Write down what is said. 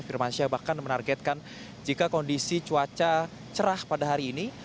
firmansyah bahkan menargetkan jika kondisi cuaca cerah pada hari ini